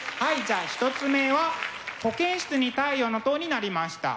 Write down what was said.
じゃあ１つ目は「保健室に太陽の塔」になりました。